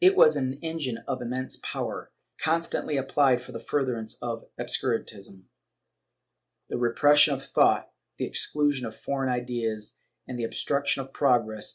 IV] INFLUENCE 549 was an engine of immense power, constantly applied for the further ance of Obscurantism, the repression of thought, the exclusion of foreign ideas, and the obstruction of progress.